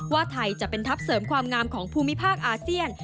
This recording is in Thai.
ว่าไทยจะเป็นทัพเสริมความงามของภูมิภาคอาเซียน